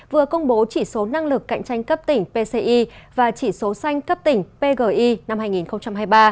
vừa công bố chỉ số năng lực cạnh tranh cấp tỉnh pci và chỉ số xanh cấp tỉnh pgi năm hai nghìn hai mươi ba